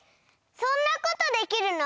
そんなことできるの？